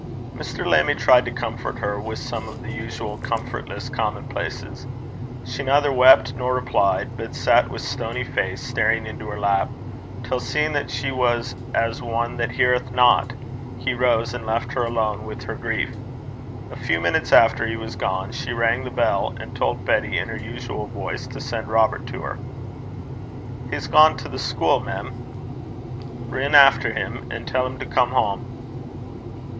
Mr. Lammie tried to comfort her with some of the usual comfortless commonplaces. She neither wept nor replied, but sat with stony face staring into her lap, till, seeing that she was as one that heareth not, he rose and left her alone with her grief. A few minutes after he was gone, she rang the bell, and told Betty in her usual voice to send Robert to her. 'He's gane to the schule, mem.' 'Rin efter him, an' tell him to come hame.'